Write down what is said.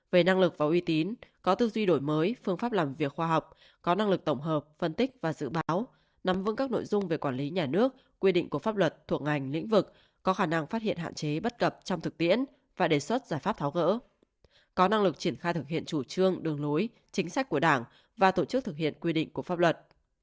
về năng lực và uy tín có tư duy đổi mới phương pháp làm việc khoa học có năng lực tổng hợp phân tích và dự báo nắm vững các nội dung về quản lý nhà nước quy định của pháp luật thuộc ngành lĩnh vực có khả năng phát hiện hạn chế bất cập trong thực tiễn và đề xuất giải pháp tháo gỡ có năng lực triển khai thực hiện chủ trương đường lối chính sách của đảng và tổ chức thực hiện quy định của pháp luật